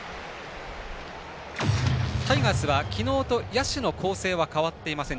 タイガースは昨日と野手の構成は変わっていません。